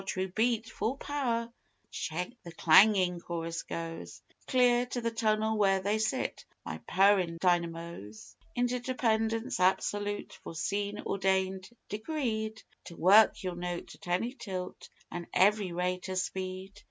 True beat, full power, the clangin' chorus goes Clear to the tunnel where they sit, my purrin' dynamoes. Interdependence absolute, foreseen, ordained, decreed, To work, Ye'll note, at any tilt an' every rate o' speed.